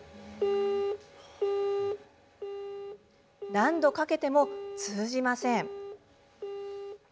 何度かけても、通じません。